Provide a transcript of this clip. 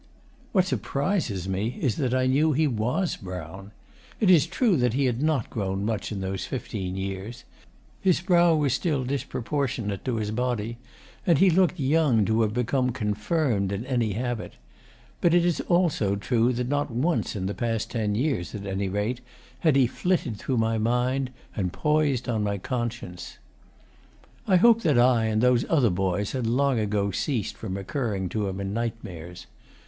What surprises me is that I knew he was Brown. It is true that he had not grown much in those fifteen years: his brow was still disproportionate to his body, and he looked young to have become 'confirmed' in any habit. But it is also true that not once in the past ten years, at any rate, had he flitted through my mind and poised on my conscience. I hope that I and those other boys had long ago ceased from recurring to him in nightmares.